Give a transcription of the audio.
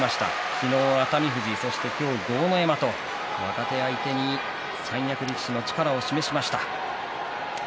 昨日、熱海富士そして今日、豪ノ山と若手相手に三役力士の力を示しました。